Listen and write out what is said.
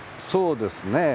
そうですね。